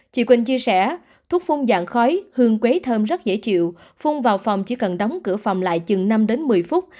chị quỳnh chia sẻ thuốc phun dạng khói hương quế thơm rất dễ chịu phung vào phòng chỉ cần đóng cửa phòng lại chừng năm đến một mươi phút